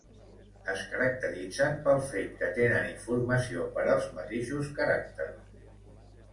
Es caracteritzen pel fet que tenen informació per als mateixos caràcters.